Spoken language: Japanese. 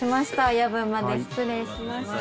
夜分まで失礼しました。